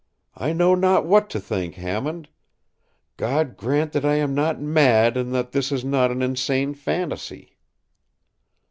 I know not what to think, Hammond. God grant that I am not mad and that this is not an insane fantasy!